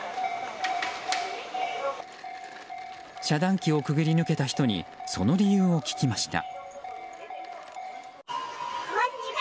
遮断機をくぐり抜けた人にその理由を聞きました。